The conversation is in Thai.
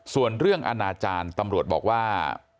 ส่วนเรื่องอนาจารย์ตำรวจบอกว่า